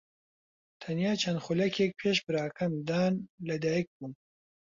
تەنیا چەند خولەکێک پێش براکەم دان لەدایکبووم.